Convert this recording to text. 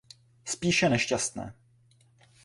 Spíše nešťastné.